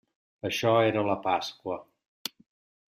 Això era la Pasqua.